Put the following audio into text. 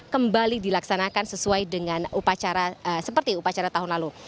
kembali dilaksanakan sesuai dengan upacara seperti upacara tahun lalu